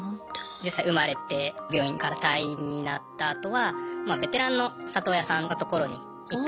実際生まれて病院から退院になったあとはまあベテランの里親さんのところに一回。